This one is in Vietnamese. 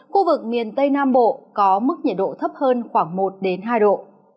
khu vực miền tây nam bộ có mức nhiệt độ thấp hơn khoảng một hai độ